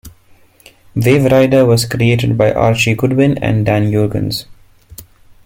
Waverider was created by Archie Goodwin and Dan Jurgens.